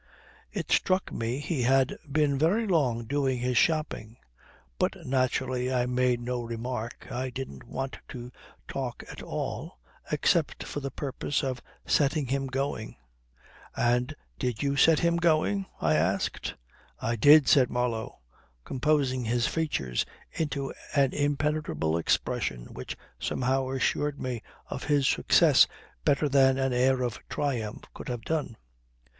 It struck me he had been very long doing his shopping; but naturally I made no remark. I didn't want to talk at all except for the purpose of setting him going." "And did you set him going?" I asked. "I did," said Marlow, composing his features into an impenetrable expression which somehow assured me of his success better than an air of triumph could have done.